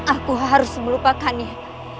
aku harus melupakannya